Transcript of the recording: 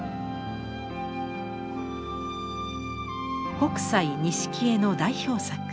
北斎錦絵の代表作